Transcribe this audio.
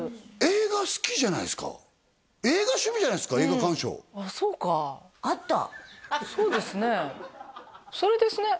映画好きじゃないですか映画鑑賞あっそうかあったそうですね